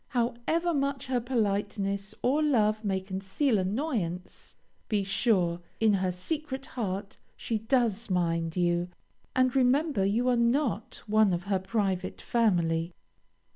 However much her politeness or love may conceal annoyance, be sure, in her secret heart she does mind you, and remember you are not one of her private family.